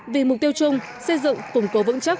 vì mục tiêu chung xây dựng củng cố vững chắc